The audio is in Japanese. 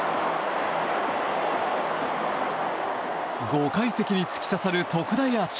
５階席に突き刺さる特大アーチ。